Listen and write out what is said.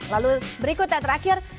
lalu berikutnya terakhir